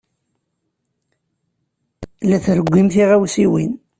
La trewwim tiɣawsiwin.